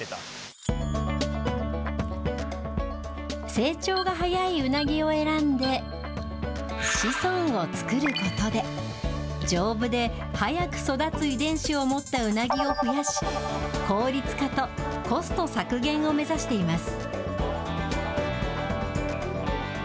成長が早いウナギを選んで、子孫を作ることで、丈夫で早く育つ遺伝子を持ったウナギを増やし、効率化とコスト削減を目指しています。